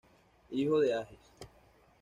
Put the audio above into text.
Hijo de Agis.